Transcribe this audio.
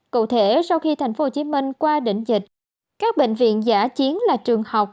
cụ thể sau khi tp hcm qua định dịch các bệnh viện giả chiến là trường học